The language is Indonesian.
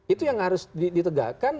itu yang harus ditegakkan